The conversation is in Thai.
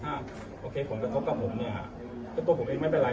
ถ้าโอเคผลกระทบกับผมเนี่ยตัวผมเองไม่เป็นไร